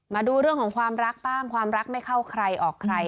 มาดูเรื่องของความรักบ้างความรักไม่เข้าใครออกใคร